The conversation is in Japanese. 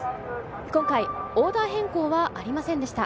今回、オーダー変更はありませんでした。